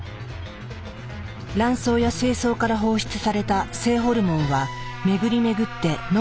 卵巣や精巣から放出された性ホルモンは巡り巡って脳にも届く。